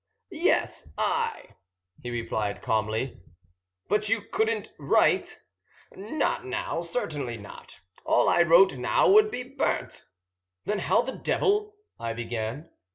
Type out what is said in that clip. "Yes, I," he replied calmly. "But you couldn't write " "Not now, certainly not. All I wrote now would be burnt." "Then how the devil ?" I began.